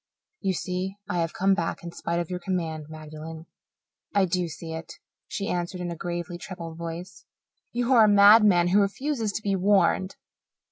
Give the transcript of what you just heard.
"You see I have come back in spite of your command, Magdalen." "I do see it," she answered in a gravely troubled voice. "You are a madman who refuses to be warned."